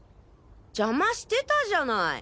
邪魔してたじゃない。